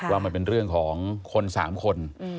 ว่ามันเป็นเรื่องของคน๓คน